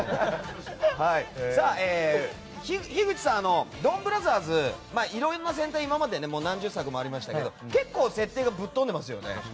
樋口さん、「ドンブラザーズ」いろんな戦隊、今まで何十作もありましたけど結構設定がぶっ飛んでますよね。